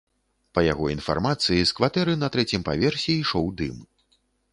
Па яго інфармацыі, з кватэры на трэцім паверсе ішоў дым.